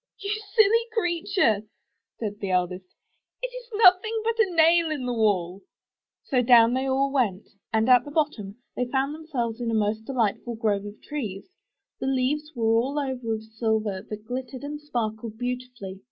'* You silly creature," said the eldest, *'it is nothing but a nail in the wall." So down they all went, and at the bottom, they found themselves in a most delightful grove of trees; the leaves were all of silver 178 UP ONE PAIR OF STAIRS that glittered and sparkled beautifully.